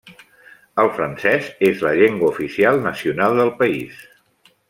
El francès és la llengua oficial nacional del país.